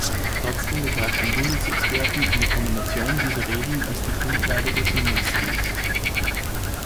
Trotzdem betrachten Unix-Experten eine Kombination dieser Regeln als die Grundlage des Unix-Stils.